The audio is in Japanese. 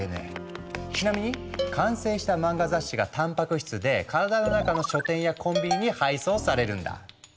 ちなみに完成した漫画雑誌がたんぱく質で体の中の書店やコンビニに配送されるんだ。